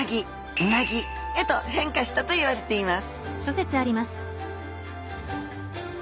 「うなぎ」へと変化したといわれています